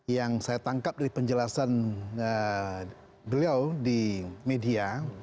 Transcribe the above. yang saya tangkap dari penjelasan beliau di media